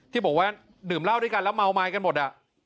ที่บอกว่าดื่มเหล้าด้วยกันแล้วเมาไม้กันหมด